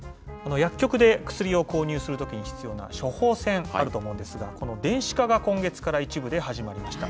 薬局で薬を購入するときに必要な処方箋、あると思うんですが、この電子化が今月から一部で始まりました。